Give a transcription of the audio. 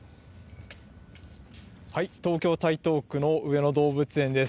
東京・台東区の上野動物園です。